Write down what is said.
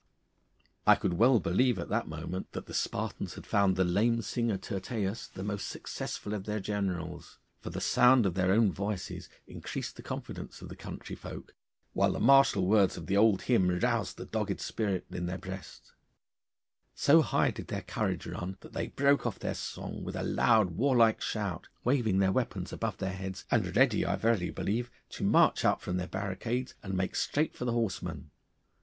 I could well believe at that moment that the Spartans had found the lame singer Tyrtaeus the most successful of their generals, for the sound of their own voices increased the confidence of the country folk, while the martial words of the old hymn roused the dogged spirit in their breasts. So high did their courage run that they broke off their song with a loud warlike shout, waving their weapons above their heads, and ready I verily believe to march out from their barricades and make straight for the horsemen.